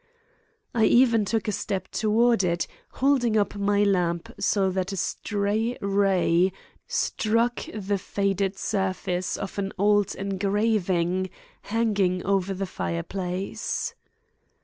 I even took a step toward it, holding up my lamp so that a stray ray struck the faded surface of an old engraving hanging over the fireplace.